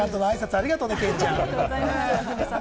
ありがとうね、ケイちゃん。